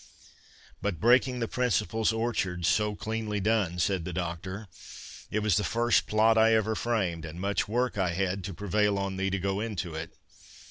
"But the breaking the Principal's orchard, so cleanly done," said the Doctor; "it was the first plot I ever framed, and much work I had to prevail on thee to go into it."